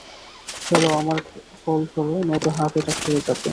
Hello, আমার call ধরো, নয়তো হার্ট অ্যাটাক হয়ে যাবে।